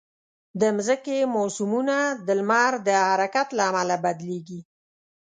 د مځکې موسمونه د لمر د حرکت له امله بدلېږي.